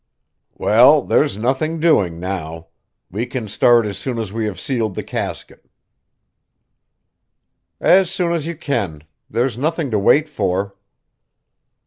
"Well, there's nothing doing now. We can start as soon as we have sealed the casket." "As soon as you can. There's nothing to wait for."